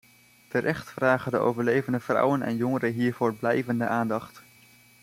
Terecht vragen de overlevende vrouwen en jongeren hiervoor blijvende aandacht.